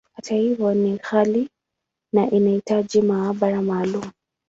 Hata hivyo, ni ghali, na inahitaji maabara maalumu.